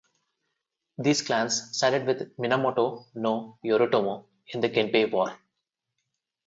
These clans sided with Minamoto no Yoritomo in the Genpei War.